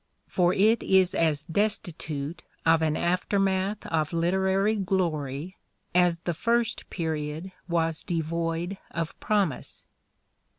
For it is as destitute of an aftermath of literary glory as the first period was devoid of promise.